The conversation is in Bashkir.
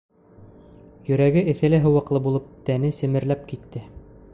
Йөрәге эҫеле-һыуыҡлы булып, тәне семерләп китте: